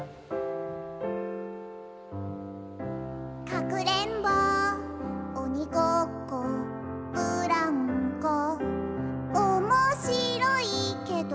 「かくれんぼおにごっこブランコ」「おもしろいけど」